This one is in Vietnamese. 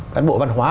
các bộ văn hóa